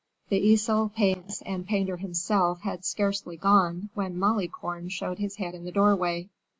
The easel, paints, and painter himself, had scarcely gone, when Malicorne showed his head in the doorway.